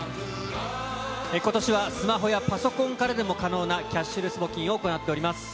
ことしはスマホやパソコンからでも可能なキャッシュレス募金を行っております。